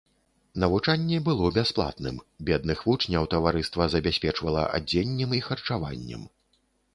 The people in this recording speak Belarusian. Навучанне было бясплатным, бедных вучняў таварыства забяспечвала адзеннем і харчаваннем.